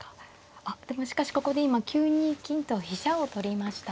あっでもしかしここで今９二金と飛車を取りました。